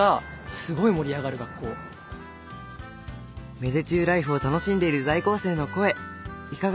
芽出中ライフを楽しんでいる在校生の声いかがですか？